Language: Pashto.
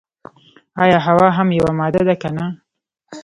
ایا هوا هم یوه ماده ده که نه.